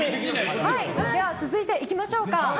続いて、いきましょうか。